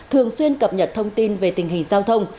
thường xuyên cập nhật thông tin về tình hình giao thông